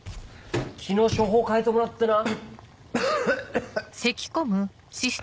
昨日処方変えてもらってな。